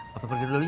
bapak pergi dulu ya